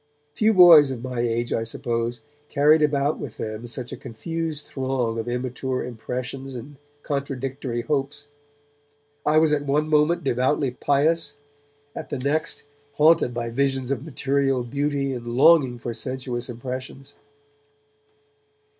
Few boys of my age, I suppose, carried about with them such a confused throng of immature impressions and contradictory hopes. I was at one moment devoutly pious, at the next haunted by visions of material beauty and longing for sensuous impressions.